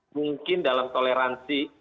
mungkin dalam toleransi